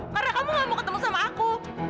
karena kamu gak mau ketemu sama aku